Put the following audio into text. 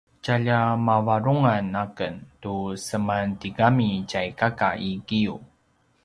tjalja mavarungan aken tu semantigami tjai kaka i giyu